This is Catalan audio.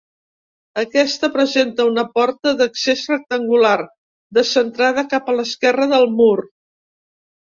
Aquesta presenta una porta d'accés rectangular, descentrada cap a l'esquerra del mur.